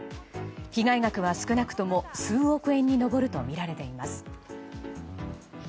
被害額は少なくとも数億円に上るとみられています。